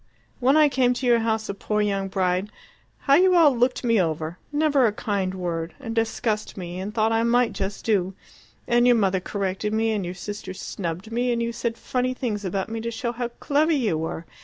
when I came to your house a poor young bride, how you all looked me over never a kind word and discussed me, and thought I might just do; and your mother corrected me, and your sister snubbed me, and you said funny things about me to show how clever you were!